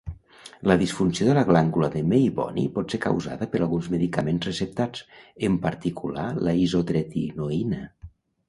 La disfunció de la glàndula de Meibomi pot ser causada per alguns medicaments receptats, en particular la isotretinoïna.